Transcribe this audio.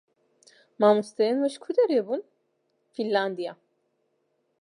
Mamosteyên we ji ku derê bûn? "Fînlandiya."